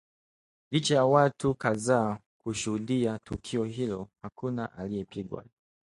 Licha ya watu kadhaa kushuhudia tukio hilo, hakuna aliyepigwa